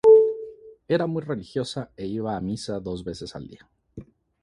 Era muy religiosa e iba a misa dos veces al día.